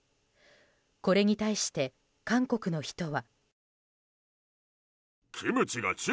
これに対して、韓国の人は。